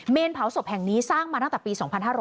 เผาศพแห่งนี้สร้างมาตั้งแต่ปี๒๕๕๙